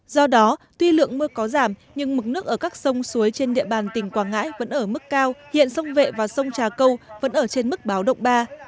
do đó tuy lượng mưa có giảm nhưng mực nước ở các sông suối trên địa bàn tỉnh quảng ngãi vẫn ở mức cao hiện sông vệ và sông trà câu vẫn ở trên mức báo động ba